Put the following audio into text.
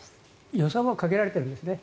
予算は限られているんですね。